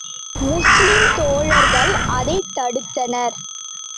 முஸ்லிம் தோழர்கள் அதைத் தடுத்தனர்.